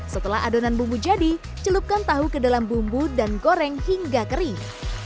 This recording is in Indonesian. setelah adonan bumbu jadi celupkan tahu ke dalam bumbu dan goreng hingga kering